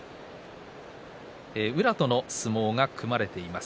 宇良との相撲が組まれています。